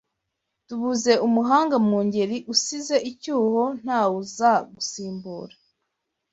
Tubuze umuhanga mu ngeri usize icyuho ntawuzagusimbura;